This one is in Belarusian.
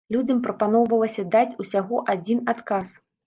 Людзям прапаноўвалася даць ўсяго адзін адказ.